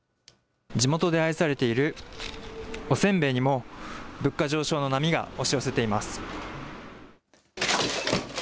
地元で愛されているおせんべいにも、物価上昇の波が押し寄せています。